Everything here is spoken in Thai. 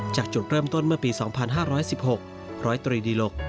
จากจุดเริ่มต้นเมื่อปี๒๕๑๖ร้อยตรีดีหลก